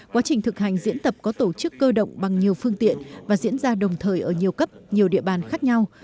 quá trình thực hành diễn tập có tổ chức cơ động bằng nhiều phương tiện và diễn ra đồng thời ở nhiều cấp nhiều địa bàn khác nhau